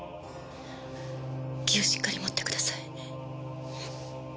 気をしっかり持ってください。